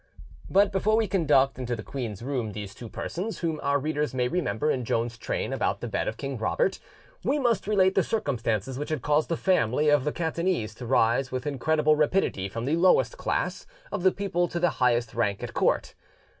But before we conduct into the queen's room these two persons, whom our readers may remember in Joan's train about the bed of King Robert, we must relate the circumstances which had caused the family of the Catanese to rise with incredible rapidity from the lowest class of the people to the highest rank at court.